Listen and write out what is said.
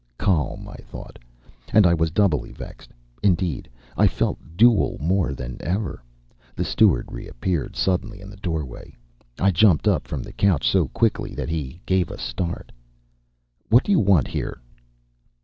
Calm, I thought, and I was doubly vexed. Indeed, I felt dual more than ever. The steward reappeared suddenly in the doorway. I jumped up from the couch so quickly that he gave a start. "What do you want here?"